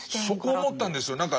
そこ思ったんですよ。